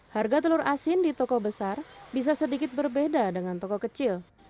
harga telur asin di toko besar bisa sedikit berbeda dengan toko kecil